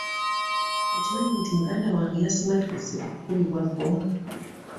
Okimanyi nti muganda wange yasimatuse okukubibwa bbomu.